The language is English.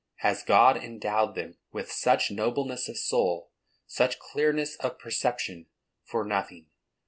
Has God endowed them with such nobleness of soul, such clearness of perception, for nothing?